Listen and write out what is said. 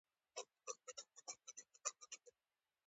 دکريم دو کره راغلل،